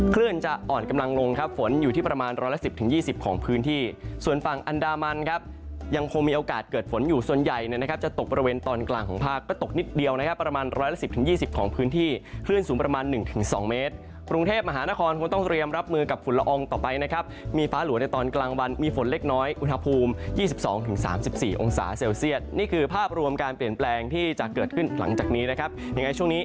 กลางลงครับฝนอยู่ที่ประมาณ๑๑๐ถึง๒๐ของพื้นที่ส่วนฝั่งอันดามันครับยังคงมีโอกาสเกิดฝนอยู่ส่วนใหญ่นะครับจะตกประเวนตอนกลางของภาคก็ตกนิดเดียวนะครับประมาณ๑๑๐ถึง๒๐ของพื้นที่คลื่นสูงประมาณ๑ถึง๒เมตรปรุงเทพมหานครคงต้องเตรียมรับมือกับฝุ่นละอองต่อไปนะครับมีฟ้าหลัวในตอนกลาง